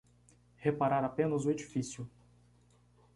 Reparar apenas o edifício